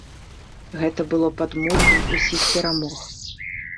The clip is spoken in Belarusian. Гэта было падмуркам усіх перамог.